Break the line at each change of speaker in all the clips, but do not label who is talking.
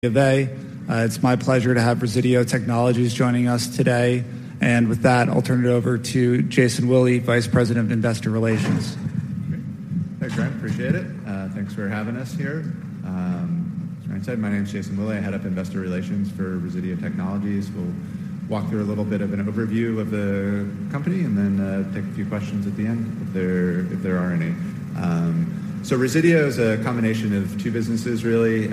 It's my pleasure to have Resideo Technologies joining us today. With that, I'll turn it over to Jason Willey, Vice President of Investor Relations.
Great. Thanks, Ryan. Appreciate it. Thanks for having us here. As Ryan said, my name is Jason Willey. I head up Investor Relations for Resideo Technologies. We'll walk through a little bit of an overview of the company and then take a few questions at the end if there are any. So Resideo is a combination of two businesses, really,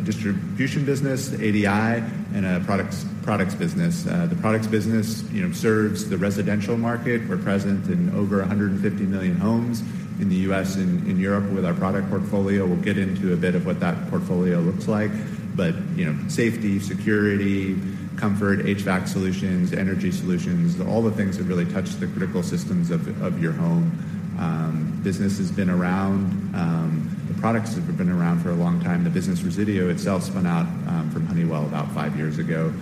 a distribution business, ADI, and a products business. The products business, you know, serves the residential market. We're present in over 150 million homes in the US and in Europe with our product portfolio. We'll get into a bit of what that portfolio looks like, but, you know, safety, security, comfort, HVAC solutions, energy solutions, all the things that really touch the critical systems of your home. Business has been around... The products have been around for a long time. The business, Resideo itself, spun out from Honeywell about 5 years ago.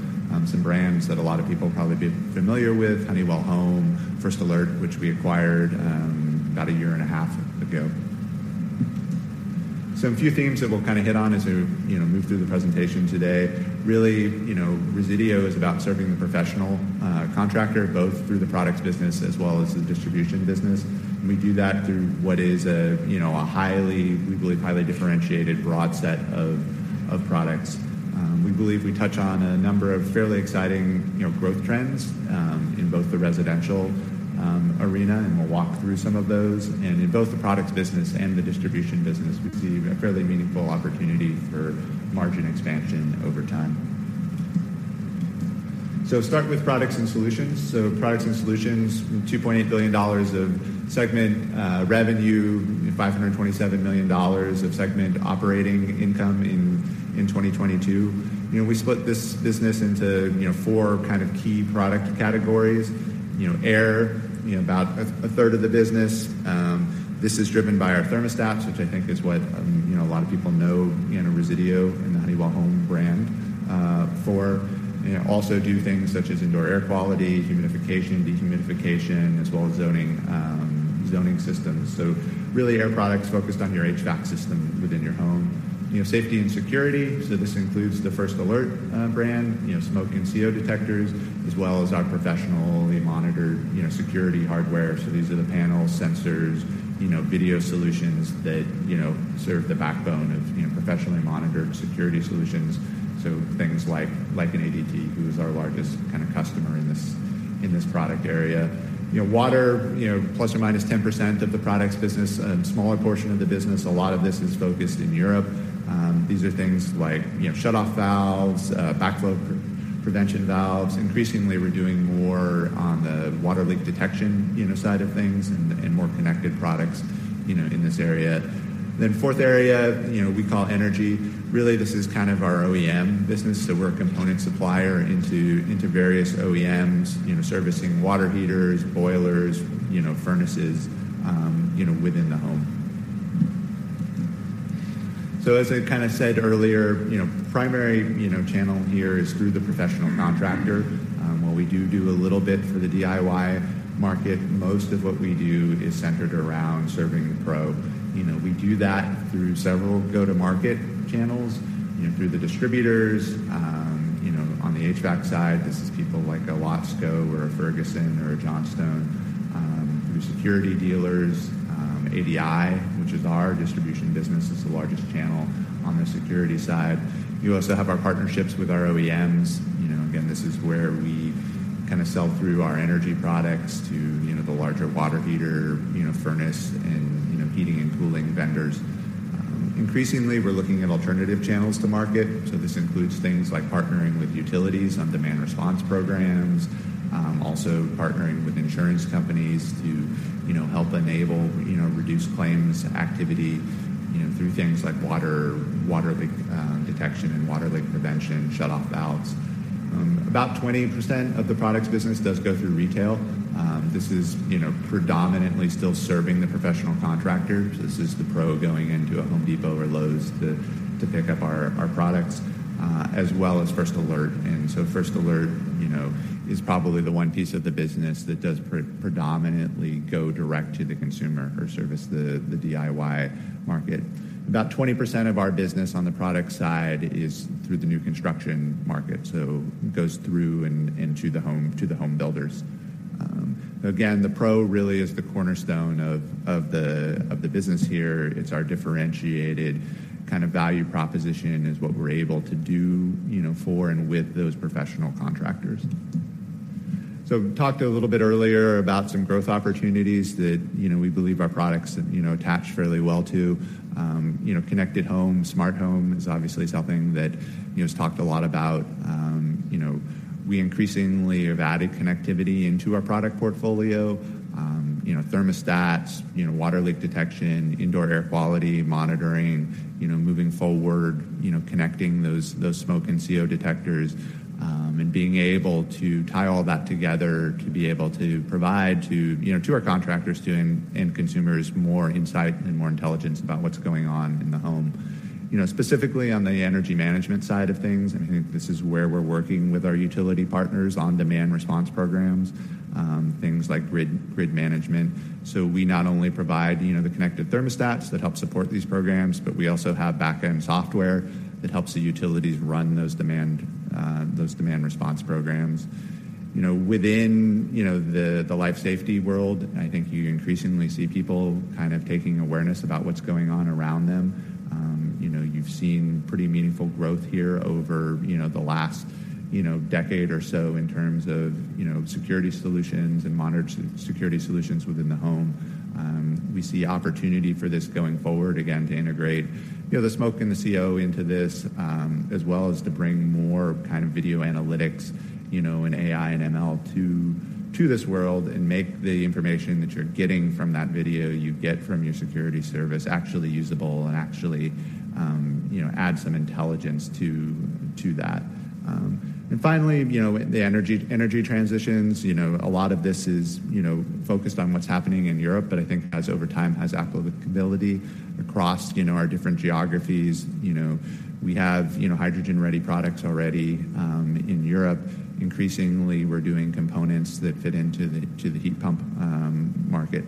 Some brands that a lot of people probably be familiar with, Honeywell Home, First Alert, which we acquired about a year and a half ago. So a few themes that we'll kind of hit on as we, you know, move through the presentation today. Really, you know, Resideo is about serving the professional contractor, both through the products business as well as the distribution business. We do that through what is a, you know, a highly, we believe, highly differentiated, broad set of products. We believe we touch on a number of fairly exciting, you know, growth trends in both the residential arena, and we'll walk through some of those. In both the products business and the distribution business, we see a fairly meaningful opportunity for margin expansion over time. Start with products and solutions. Products and solutions, $2.8 billion of segment revenue and $527 million of segment operating income in 2022. You know, we split this business into, you know, four kind of key product categories. You know, air, you know, about a third of the business. This is driven by our thermostats, which I think is what, you know, a lot of people know, you know, Resideo and the Honeywell Home brand for. You know, also do things such as indoor air quality, humidification, dehumidification, as well as zoning, zoning systems. So really, air products focused on your HVAC system within your home. You know, safety and security, so this includes the First Alert, brand, you know, smoke and CO detectors, as well as our professionally monitored, you know, security hardware. So these are the panels, sensors, you know, video solutions that, you know, serve the backbone of, you know, professionally monitored security solutions. So things like an ADT, who is our largest kind of customer in this, in this product area. You know, water, you know, ±10% of the products business and smaller portion of the business. A lot of this is focused in Europe. These are things like, you know, shutoff valves, backflow prevention valves. Increasingly, we're doing more on the water leak detection, you know, side of things and more connected products, you know, in this area. Then fourth area, you know, we call energy. Really, this is kind of our OEM business, so we're a component supplier into various OEMs, you know, servicing water heaters, boilers, you know, furnaces, you know, within the home. So as I kind of said earlier, you know, primary, you know, channel here is through the professional contractor. While we do a little bit for the DIY market, most of what we do is centered around serving the pro. You know, we do that through several go-to-market channels, you know, through the distributors, you know, on the HVAC side, this is people like a WESCO or a Ferguson or a Johnstone, through security dealers, ADI, which is our distribution business, is the largest channel on the security side. We also have our partnerships with our OEMs. You know, again, this is where we kind of sell through our energy products to, you know, the larger water heater, you know, furnace and, you know, heating and cooling vendors. Increasingly, we're looking at alternative channels to market, so this includes things like partnering with utilities on demand response programs. Also partnering with insurance companies to, you know, help enable, you know, reduce claims activity, you know, through things like water leak detection and water leak prevention, shutoff valves. About 20% of the products business does go through retail. This is, you know, predominantly still serving the professional contractor. This is the pro going into a Home Depot or Lowe's to pick up our products, as well as First Alert. First Alert, you know, is probably the one piece of the business that does predominantly go direct to the consumer or service the DIY market. About 20% of our business on the product side is through the new construction market, so it goes through and into the home to the home builders. Again, the pro really is the cornerstone of the business here. It's our differentiated kind of value proposition, is what we're able to do, you know, for and with those professional contractors. Talked a little bit earlier about some growth opportunities that, you know, we believe our products, you know, attach fairly well to. You know, connected home, smart home is obviously something that, you know, is talked a lot about. You know, we increasingly have added connectivity into our product portfolio. You know, thermostats, you know, water leak detection, indoor air quality monitoring, you know, moving forward, you know, connecting those smoke and CO detectors, and being able to tie all that together to be able to provide to, you know, to our contractors, to end consumers, more insight and more intelligence about what's going on in the home. You know, specifically on the energy management side of things, I think this is where we're working with our utility partners on demand response programs, things like grid management. So we not only provide, you know, the connected thermostats that help support these programs, but we also have back-end software that helps the utilities run those demand response programs. You know, within the life safety world, I think you increasingly see people kind of taking awareness about what's going on around them. You know, you've seen pretty meaningful growth here over the last decade or so in terms of security solutions and monitored security solutions within the home. We see opportunity for this going forward, again, to integrate the smoke and the CO into this, as well as to bring more kind of video analytics and AI and ML to this world and make the information that you're getting from that video you get from your security service actually usable and actually add some intelligence to that. And finally, you know, the energy transitions, you know, a lot of this is, you know, focused on what's happening in Europe, but I think, over time, has applicability across, you know, our different geographies. You know, we have, you know, hydrogen-ready products already in Europe. Increasingly, we're doing components that fit into the heat pump market.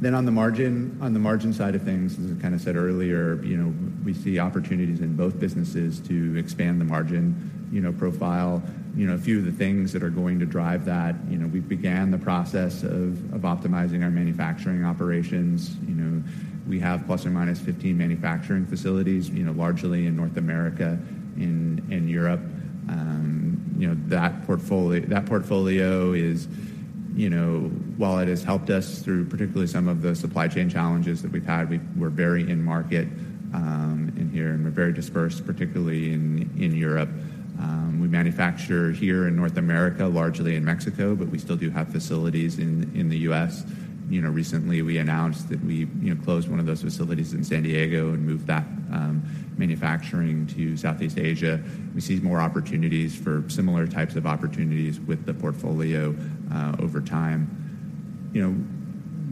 Then on the margin side of things, as I kind of said earlier, you know, we see opportunities in both businesses to expand the margin, you know, profile. You know, a few of the things that are going to drive that, you know, we've began the process of optimizing our manufacturing operations. You know, we have ±15 manufacturing facilities, you know, largely in North America, in Europe. You know, that portfolio is, you know, while it has helped us through particularly some of the supply chain challenges that we've had, we're very in market in here, and we're very dispersed, particularly in Europe. We manufacture here in North America, largely in Mexico, but we still do have facilities in the U.S. You know, recently, we announced that we, you know, closed one of those facilities in San Diego and moved that manufacturing to Southeast Asia. We see more opportunities for similar types of opportunities with the portfolio over time. You know,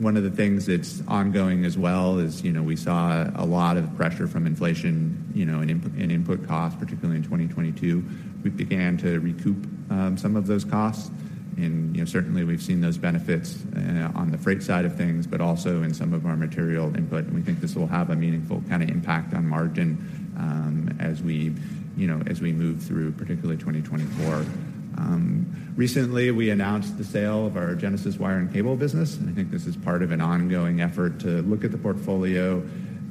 one of the things that's ongoing as well is, you know, we saw a lot of pressure from inflation, you know, in input costs, particularly in 2022. We began to recoup some of those costs, and, you know, certainly we've seen those benefits on the freight side of things, but also in some of our material input, and we think this will have a meaningful kind of impact on margin as we, you know, as we move through, particularly 2024. Recently, we announced the sale of our Genesis Wire and Cable business. I think this is part of an ongoing effort to look at the portfolio,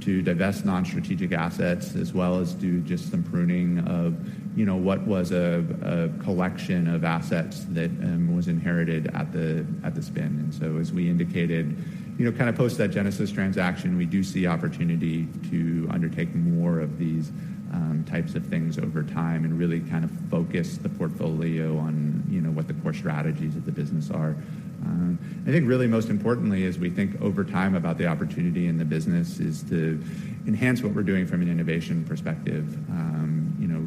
to divest non-strategic assets, as well as do just some pruning of, you know, what was a collection of assets that was inherited at the spin. As we indicated, you know, kind of post that Genesis transaction, we do see opportunity to undertake more of these types of things over time and really kind of focus the portfolio on, you know, what the core strategies of the business are. I think really most importantly, as we think over time about the opportunity in the business, is to enhance what we're doing from an innovation perspective. You know,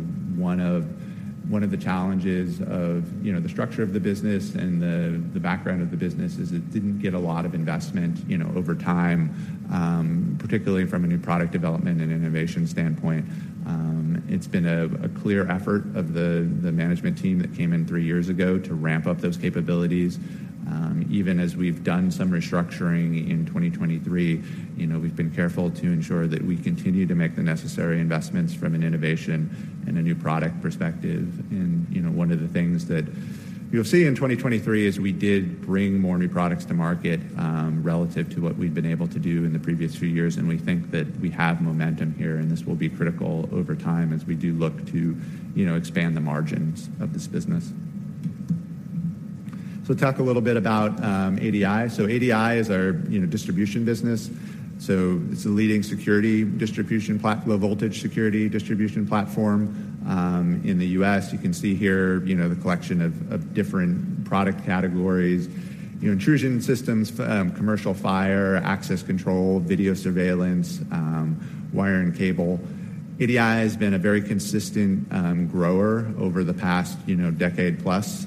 one of the challenges of, you know, the structure of the business and the background of the business is it didn't get a lot of investment, you know, over time, particularly from a new product development and innovation standpoint. It's been a clear effort of the management team that came in three years ago to ramp up those capabilities. Even as we've done some restructuring in 2023, you know, we've been careful to ensure that we continue to make the necessary investments from an innovation and a new product perspective. You know, one of the things that you'll see in 2023 is we did bring more new products to market relative to what we've been able to do in the previous few years, and we think that we have momentum here, and this will be critical over time as we do look to, you know, expand the margins of this business. So talk a little bit about ADI. So ADI is our, you know, distribution business. So it's a leading low-voltage security distribution platform in the U.S. You can see here, you know, the collection of different product categories. You know, intrusion systems, commercial fire, access control, video surveillance, wire and cable. ADI has been a very consistent grower over the past, you know, decade plus.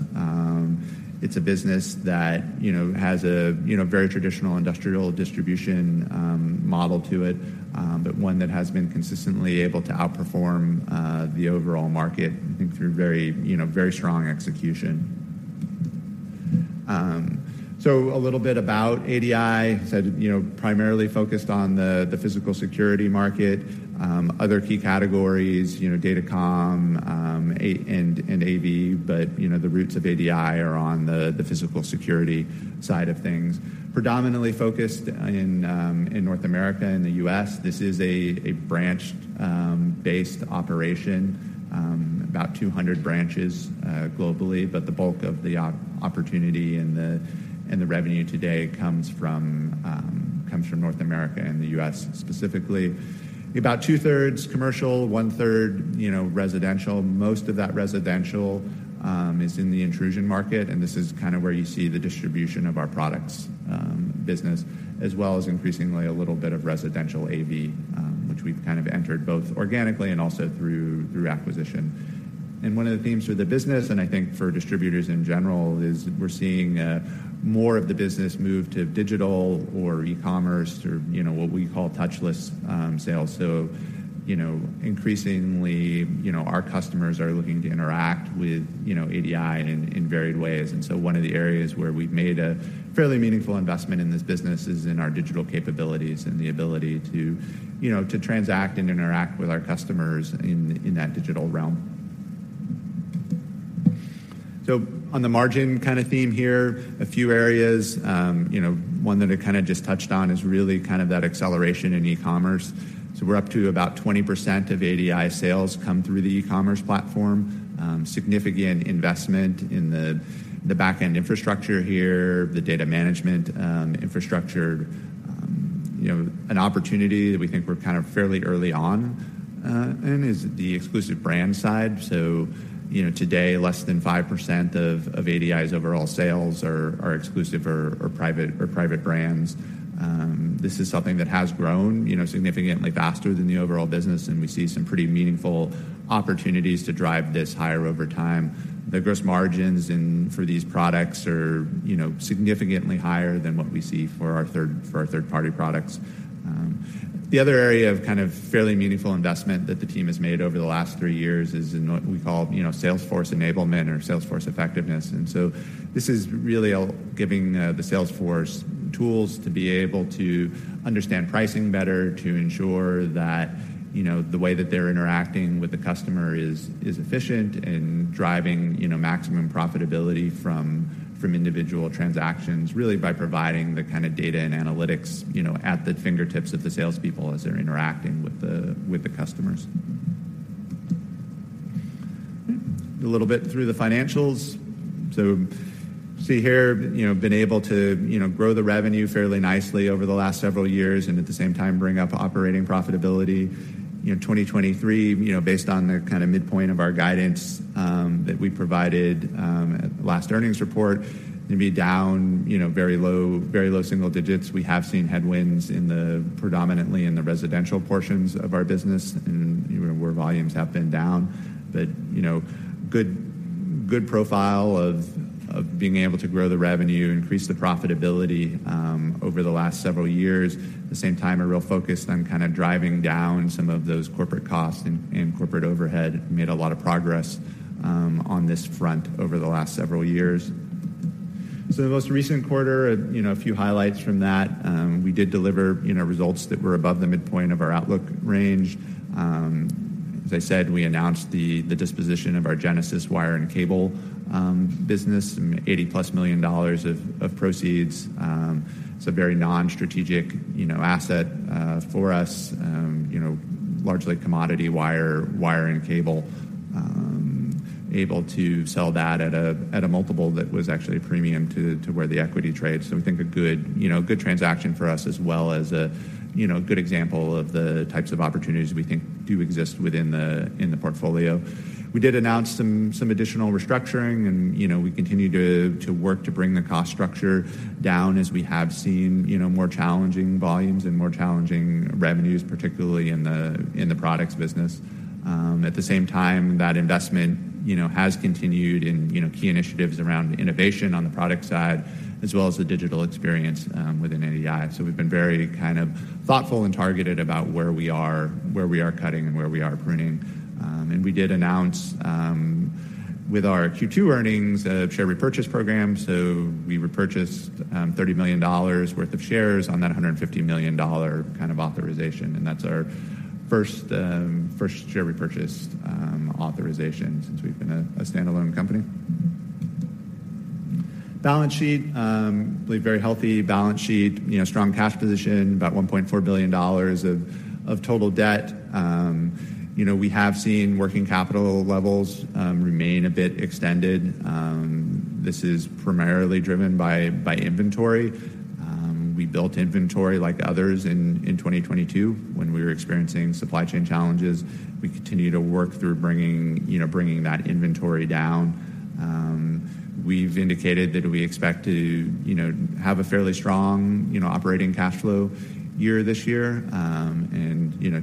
It's a business that, you know, has a, you know, very traditional industrial distribution model to it, but one that has been consistently able to outperform the overall market, I think, through very, you know, very strong execution. So a little bit about ADI. As I said, you know, primarily focused on the physical security market, other key categories, you know, datacom and AV, but you know, the roots of ADI are on the physical security side of things. Predominantly focused in North America and the U.S. This is a branch-based operation, about 200 branches globally, but the bulk of the opportunity and the revenue today comes from North America and the U.S. specifically. About two-thirds commercial, one-third, you know, residential. Most of that residential is in the intrusion market, and this is kind of where you see the distribution of our products business, as well as increasingly a little bit of residential AV, which we've kind of entered both organically and also through acquisition. And one of the themes for the business, and I think for distributors in general, is we're seeing more of the business move to digital or e-commerce or, you know, what we call touchless sales. So, you know, increasingly, you know, our customers are looking to interact with, you know, ADI in, in varied ways. And so one of the areas where we've made a fairly meaningful investment in this business is in our digital capabilities and the ability to, you know, to transact and interact with our customers in, in that digital realm.... So on the margin kind of theme here, a few areas, you know, one that I kind of just touched on is really kind of that acceleration in e-commerce. So we're up to about 20% of ADI sales come through the e-commerce platform. Significant investment in the, the back-end infrastructure here, the data management, infrastructure. You know, an opportunity that we think we're kind of fairly early on, in is the exclusive brand side. So, you know, today, less than 5% of ADI's overall sales are exclusive or private brands. This is something that has grown, you know, significantly faster than the overall business, and we see some pretty meaningful opportunities to drive this higher over time. The gross margins for these products are, you know, significantly higher than what we see for our third-party products. The other area of kind of fairly meaningful investment that the team has made over the last 3 years is in what we call, you know, sales force enablement or sales force effectiveness. So this is really a giving, the salesforce tools to be able to understand pricing better, to ensure that, you know, the way that they're interacting with the customer is, is efficient and driving, you know, maximum profitability from, from individual transactions, really by providing the kind of data and analytics, you know, at the fingertips of the salespeople as they're interacting with the, with the customers. A little bit through the financials. See here, you know, been able to, you know, grow the revenue fairly nicely over the last several years and at the same time bring up operating profitability. You know, 2023, you know, based on the kind of midpoint of our guidance, that we provided, at last earnings report, gonna be down, you know, very low, very low single digits. We have seen headwinds in the, predominantly in the residential portions of our business and, you know, where volumes have been down. But, you know, good, good profile of, of being able to grow the revenue, increase the profitability, over the last several years. At the same time, a real focus on kind of driving down some of those corporate costs and, and corporate overhead. Made a lot of progress, on this front over the last several years. So the most recent quarter, you know, a few highlights from that. We did deliver, you know, results that were above the midpoint of our outlook range. As I said, we announced the, the disposition of our Genesis Wire and Cable, business, $80+ million of, of proceeds. It's a very non-strategic, you know, asset, for us, you know, largely commodity wire and cable. Able to sell that at a multiple that was actually a premium to where the equity trades. So we think a good, you know, good transaction for us as well as a, you know, good example of the types of opportunities we think do exist within the, in the portfolio. We did announce some additional restructuring and, you know, we continue to work to bring the cost structure down as we have seen, you know, more challenging volumes and more challenging revenues, particularly in the products business. At the same time, that investment, you know, has continued in, you know, key initiatives around innovation on the product side, as well as the digital experience within ADI. So we've been very kind of thoughtful and targeted about where we are, where we are cutting, and where we are pruning. And we did announce, with our Q2 earnings, a share repurchase program. So we repurchased $30 million worth of shares on that $150 million kind of authorization, and that's our first share repurchase authorization since we've been a standalone company. Balance sheet. A very healthy balance sheet, you know, strong cash position, about $1.4 billion of total debt. You know, we have seen working capital levels remain a bit extended. This is primarily driven by inventory. We built inventory like others in 2022, when we were experiencing supply chain challenges. We continue to work through bringing, you know, bringing that inventory down. We've indicated that we expect to, you know, have a fairly strong, you know, operating cash flow year this year.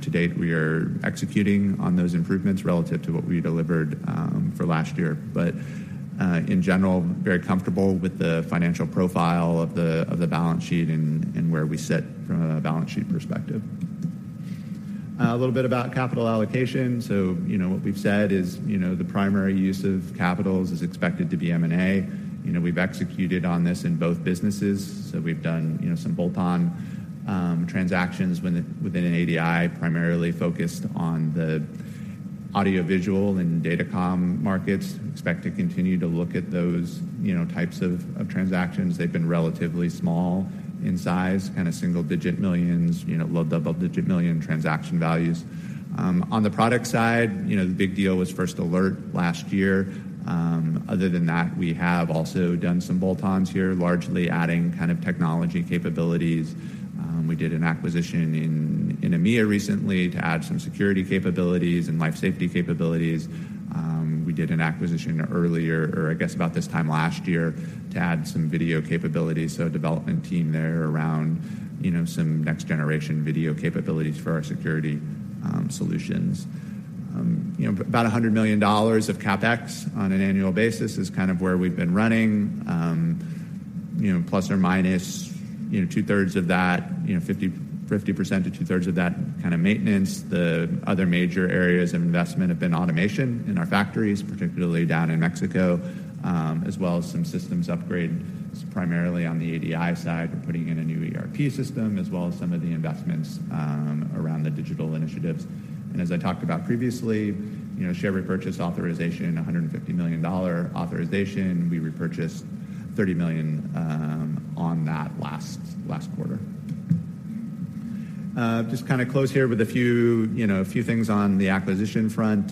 To date, we are executing on those improvements relative to what we delivered for last year. But in general, very comfortable with the financial profile of the, of the balance sheet and, and where we sit from a balance sheet perspective. A little bit about capital allocation. So, you know, what we've said is, you know, the primary use of capitals is expected to be M&A. You know, we've executed on this in both businesses, so we've done, you know, some bolt-on transactions within ADI, primarily focused on the audio, visual, and datacom markets. Expect to continue to look at those, you know, types of, of transactions. They've been relatively small in size, kind of single-digit $ millions, you know, low double-digit $ million transaction values. On the product side, you know, the big deal was First Alert last year. Other than that, we have also done some bolt-ons here, largely adding kind of technology capabilities. We did an acquisition in EMEA recently to add some security capabilities and life safety capabilities. We did an acquisition earlier, or I guess about this time last year, to add some video capabilities, so a development team there around, you know, some next-generation video capabilities for our security solutions. You know, about $100 million of CapEx on an annual basis is kind of where we've been running. You know, plus or minus, you know, two-thirds of that, you know, 50% to two-thirds of that kind of maintenance. The other major areas of investment have been automation in our factories, particularly down in Mexico, as well as some systems upgrade, primarily on the ADI side. We're putting in a new ERP system, as well as some of the investments around the digital initiatives. And as I talked about previously, you know, share repurchase authorization, a $150 million authorization. We repurchased $30 million on that last quarter. Just kind of close here with a few, you know, things on the acquisition front.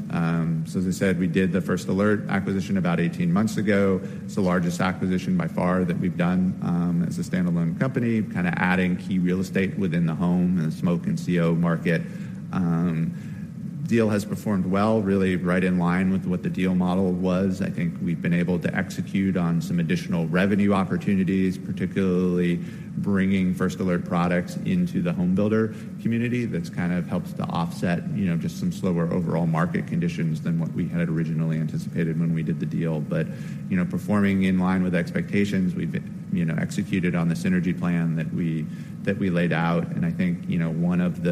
So as I said, we did the First Alert acquisition about 18 months ago. It's the largest acquisition by far that we've done as a standalone company, kind of adding key real estate within the home and smoke and CO market. Deal has performed well, really right in line with what the deal model was. I think we've been able to execute on some additional revenue opportunities, particularly bringing First Alert products into the home builder community. That's kind of helps to offset, you know, just some slower overall market conditions than what we had originally anticipated when we did the deal. But, you know, performing in line with expectations, we've, you know, executed on the synergy plan that we laid out. And I think, you know, one of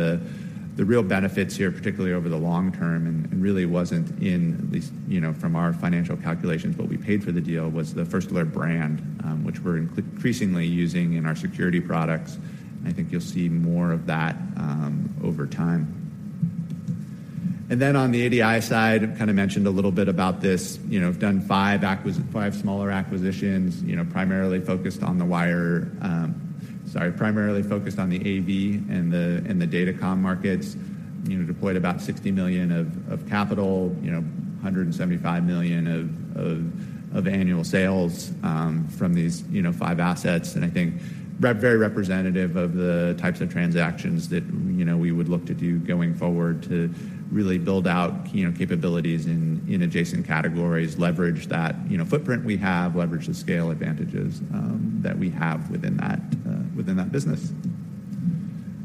the real benefits here, particularly over the long term, and really wasn't in at least, you know, from our financial calculations, what we paid for the deal, was the First Alert brand, which we're increasingly using in our security products. I think you'll see more of that over time. And then on the ADI side, I kind of mentioned a little bit about this. You know, we've done five smaller acquisitions, you know, primarily focused on the AV and the datacom markets. You know, deployed about $60 million of capital, you know, $175 million of annual sales from these, you know, five assets. And I think very representative of the types of transactions that, you know, we would look to do going forward to really build out, you know, capabilities in adjacent categories, leverage that, you know, footprint we have, leverage the scale advantages that we have within that business.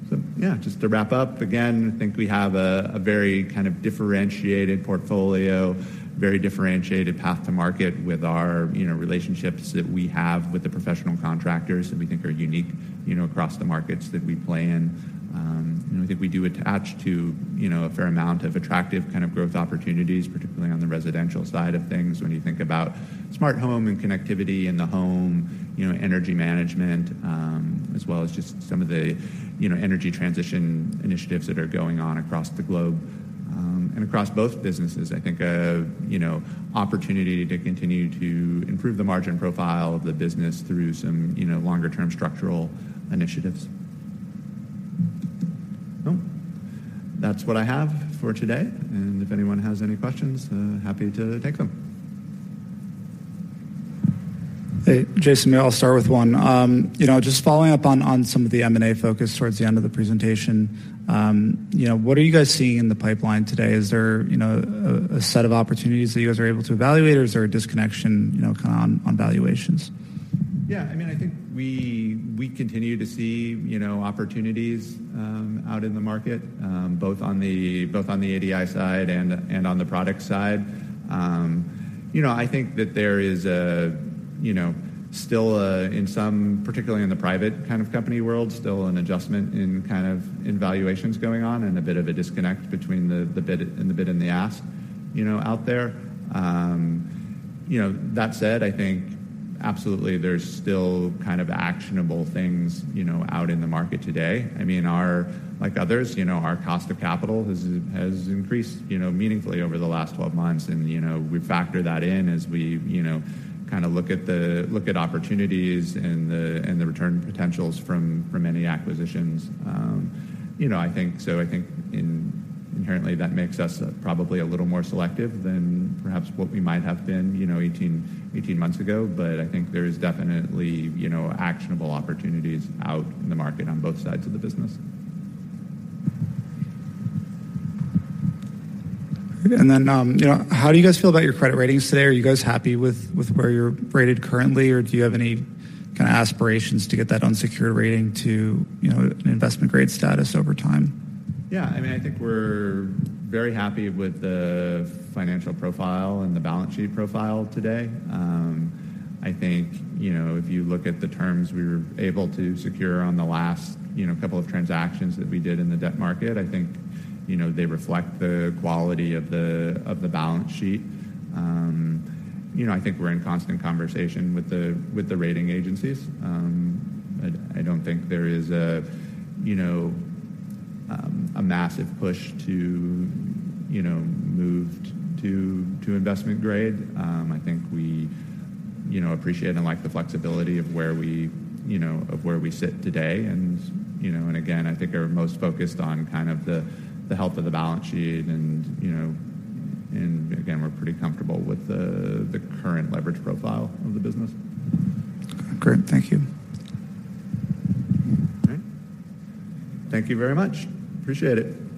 So yeah, just to wrap up, again, I think we have a very kind of differentiated portfolio, very differentiated path to market with our, you know, relationships that we have with the professional contractors that we think are unique, you know, across the markets that we play in. And I think we do attach to, you know, a fair amount of attractive kind of growth opportunities, particularly on the residential side of things, when you think about smart home and connectivity in the home, you know, energy management, as well as just some of the, you know, energy transition initiatives that are going on across the globe. And across both businesses, I think, you know, opportunity to continue to improve the margin profile of the business through some, you know, longer term structural initiatives. That's what I have for today, and if anyone has any questions, happy to take them.
Hey, Jason, maybe I'll start with one. You know, just following up on, on some of the M&A focus towards the end of the presentation. You know, what are you guys seeing in the pipeline today? Is there, you know, a, a set of opportunities that you guys are able to evaluate, or is there a disconnection, you know, kind of on, on valuations?
Yeah, I mean, I think we, we continue to see, you know, opportunities out in the market, both on the, both on the ADI side and, and on the product side. You know, I think that there is a, you know, still in some, particularly in the private kind of company world, still an adjustment in kind of in valuations going on and a bit of a disconnect between the, the bid, and the bid and the ask, you know, out there. You know, that said, I think absolutely there's still kind of actionable things, you know, out in the market today. I mean, our like others, you know, our cost of capital has, has increased, you know, meaningfully over the last 12 months. And, you know, we factor that in as we, you know, kind of look at opportunities and the return potentials from any acquisitions. You know, I think inherently that makes us probably a little more selective than perhaps what we might have been, you know, 18 months ago. But I think there is definitely, you know, actionable opportunities out in the market on both sides of the business.
Then, you know, how do you guys feel about your credit ratings today? Are you guys happy with where you're rated currently, or do you have any kind of aspirations to get that unsecured rating to, you know, an investment grade status over time?
Yeah, I mean, I think we're very happy with the financial profile and the balance sheet profile today. I think, you know, if you look at the terms we were able to secure on the last, you know, couple of transactions that we did in the debt market, I think, you know, they reflect the quality of the, of the balance sheet. You know, I think we're in constant conversation with the, with the rating agencies. I don't think there is a, you know, a massive push to, you know, move to, to investment grade. I think we, you know, appreciate and like the flexibility of where we, you know, of where we sit today. And, you know, and again, I think are most focused on kind of the, the health of the balance sheet. You know, and again, we're pretty comfortable with the current leverage profile of the business.
Great. Thank you.
All right. Thank you very much. Appreciate it.